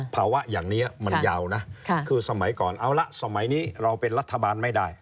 ภาวะอย่างนี้มันยาวนะคือสมัยก่อนเอาละสมัยนี้เราเป็นรัฐบาลไม่ได้